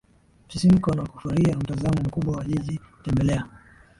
msisimko na kufurahia mtazamo mkubwa wa jiji Tembelea